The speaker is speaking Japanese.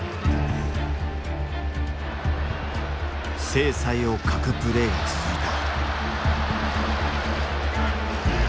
精彩を欠くプレーが続いた。